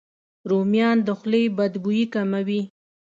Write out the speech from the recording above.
رومیان د خولې بد بوی کموي.